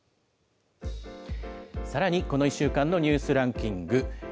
さらにこの１週間のニュースランキング。